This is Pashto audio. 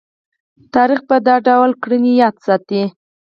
تاریخ به یې دا ډول کړنې یاد ساتي.